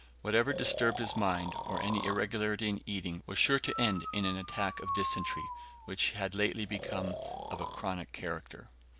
Whatever disturbed his mind, or any irregularity in eating, was sure to end in an attack of dysentery, which had lately become of a chronic character.